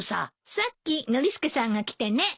さっきノリスケさんが来てね。